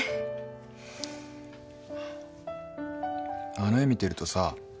あの絵見てるとさ